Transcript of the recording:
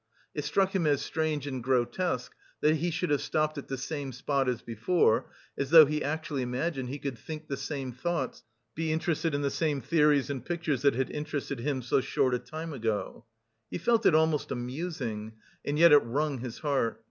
It struck him as strange and grotesque, that he should have stopped at the same spot as before, as though he actually imagined he could think the same thoughts, be interested in the same theories and pictures that had interested him... so short a time ago. He felt it almost amusing, and yet it wrung his heart.